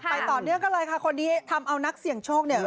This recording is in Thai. ต่อเนื่องกันเลยค่ะคนที่ทำเอานักเสี่ยงโชคเนี่ย